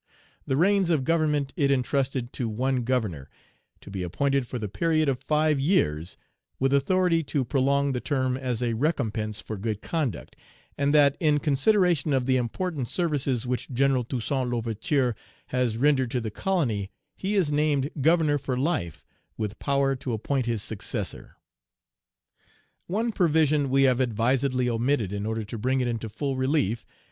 The reins of government it intrusted to one governor, to be appointed for the period of five years, with authority to prolong the term as a recompense for good conduct; and that "in consideration of the important services which General Toussaint L'Ouverture has rendered to the colony, he is named Governor for life, with power to appoint his successor." One provision we have advisedly omitted in order to bring it into full relief.